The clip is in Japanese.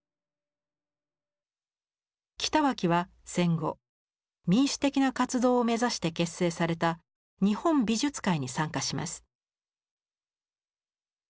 北脇は戦後民主的な活動を目指して結成された日本美術会に参加します。